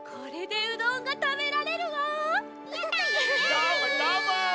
どーもどーも！